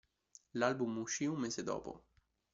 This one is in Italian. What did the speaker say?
L'album uscì un mese dopo.